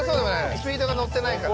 スピードが乗ってないから。